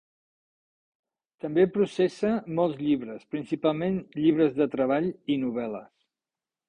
També processa molts llibres, principalment llibres de treball i novel·les.